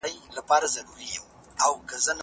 حتی غزل، چي هر بیت یې،